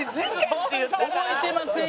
覚えてませんやん。